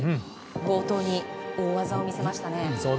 冒頭に大技を見せましたね。